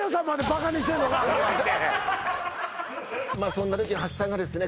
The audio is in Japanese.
そんな時橋さんがですね